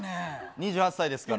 ２８歳ですから。